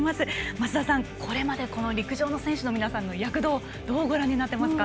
増田さん、これまでの陸上の選手の皆さんの躍動どうご覧になっていますか。